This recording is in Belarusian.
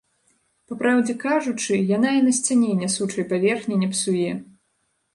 Па праўдзе кажучы, яна і на сцяне нясучай паверхні не псуе.